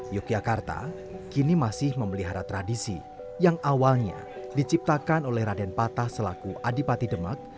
yogyakarta kini masih memelihara tradisi yang awalnya diciptakan oleh raden patah selaku adipati demak